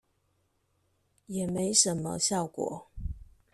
也沒什麼效果